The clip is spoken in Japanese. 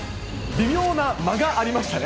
微妙な間がありましたね。